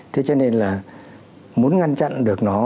thế cho nên là muốn ngăn chặn được nó